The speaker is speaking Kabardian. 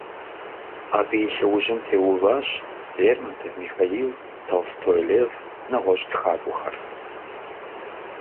Абы и лъэужьым теуващ Лермонтов Михаил, Толстой Лев, нэгъуэщӏ тхакӏуэхэр.